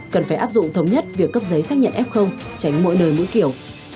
cần phải áp dụng thống nhất việc cấp giấy xác nhận f tránh mỗi đời mỗi kiểu